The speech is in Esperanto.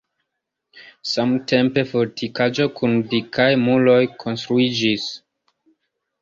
Samtempe fortikaĵo kun dikaj muroj konstruiĝis.